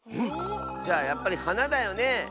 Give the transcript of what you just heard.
じゃあやっぱりはなだよね。